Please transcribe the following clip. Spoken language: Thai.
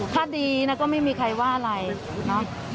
ถ้าดีนะก็ไม่มีใครว่าอะไรเนาะ